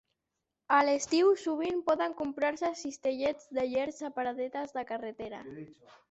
A l'estiu sovint poden comprar-se cistellets de gerds a paradetes de carretera